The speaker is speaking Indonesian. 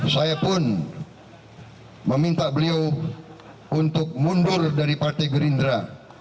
saya pun meminta beliau untuk mundur dari partai gerindra